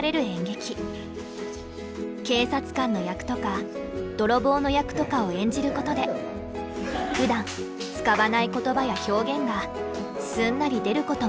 警察官の役とか泥棒の役とかを演じることでふだん使わない言葉や表現がすんなり出ることもあるといいます。